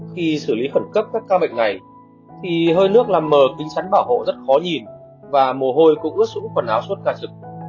khi xử lý khẩn cấp các ca bệnh này thì hơi nước làm mờ kính chắn bảo hộ rất khó nhìn và mồ hôi cũng ướt sũ quần áo suốt cả trực